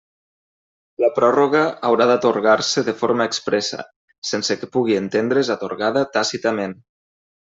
La pròrroga haurà d'atorgar-se de forma expressa, sense que pugui entendre's atorgada tàcitament.